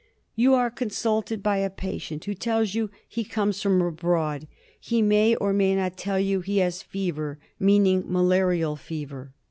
You are consulted by a patient who tells you he comes from abroad. He may or may not tell you he has fever, meaning malarial fever.